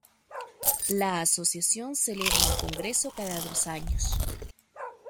La asociación celebra un congreso cada dos años.